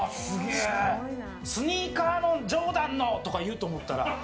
スニーカーのジョーダンのとか言うと思ったら。